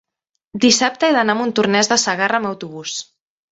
dissabte he d'anar a Montornès de Segarra amb autobús.